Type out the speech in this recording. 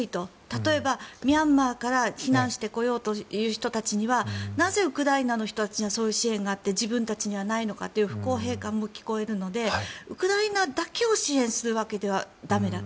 例えば、ミャンマーから避難してこようという人たちにはなぜ、ウクライナの人たちにはそういう支援があって自分たちにはないのかという不公平感も聞こえるのでウクライナだけを支援するだけでは駄目だ。